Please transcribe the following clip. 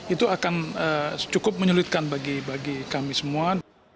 itu akan cukup menyulitkan bagi kami semua